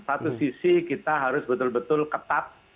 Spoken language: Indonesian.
satu sisi kita harus betul betul ketat